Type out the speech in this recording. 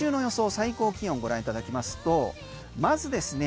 最高気温ご覧いただきますとまずですね